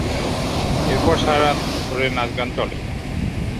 এরপর সারারাত ধরে নাচ গান চলে।